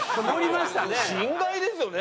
心外ですよね